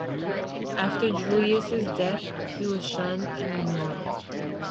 After Julius's death he was shunned and ignored.